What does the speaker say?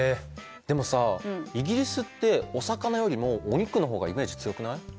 でもさイギリスってお魚よりもお肉の方がイメージ強くない？